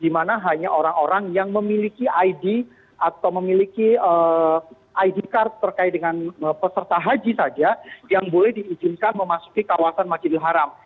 di mana hanya orang orang yang memiliki id atau memiliki id card terkait dengan peserta haji saja yang boleh diizinkan memasuki kawasan majidil haram